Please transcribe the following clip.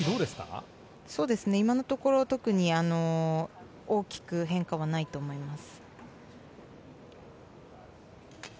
今のところ特に大きく変化はないと思います。